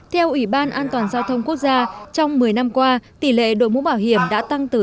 theo ủy ban an toàn giao thông quốc gia trong một mươi năm qua tỷ lệ đội mũ bảo hiểm đã tăng từ sáu lên chín mươi